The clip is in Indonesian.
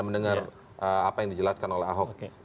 mendengar apa yang dijelaskan oleh ahok